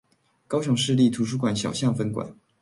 高雄市立圖書館小港分館